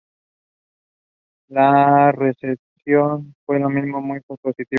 La recepción del mismo fue muy positiva.